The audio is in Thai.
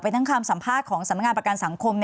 ทั้งคำสัมภาษณ์ของสำนักงานประกันสังคม